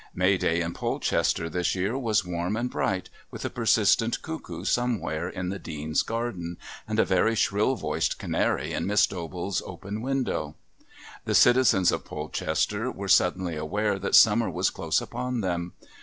May day in Polchester this year was warm and bright, with a persistent cuckoo somewhere in the Dean's garden, and a very shrill voiced canary in Miss Dobell's open window. The citizens of Polchester were suddenly aware that summer was close upon them.